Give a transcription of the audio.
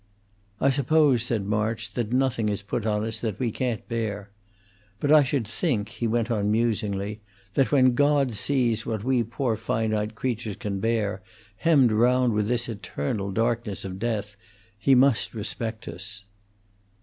"I suppose," said March, "that nothing is put on us that we can't bear. But I should think," he went on, musingly, "that when God sees what we poor finite creatures can bear, hemmed round with this eternal darkness of death, He must respect us."